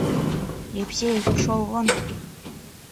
Епсей, пшол вон!..